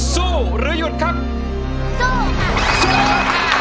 สู้หรือหยุดครับสู้ค่ะ